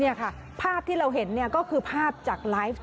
นี่ค่ะภาพที่เราเห็นก็คือภาพจากไลฟ์